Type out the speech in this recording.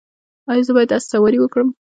ایا زه باید اس سواري وکړم؟